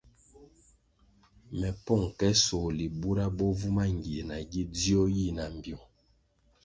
Me pong ke sohli bura bo vu mangie nagi dzio yi na mbpyung.